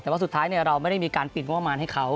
แต่ว่าสุดท้ายเราไม่ได้มีการปิดงบประมาณให้เขา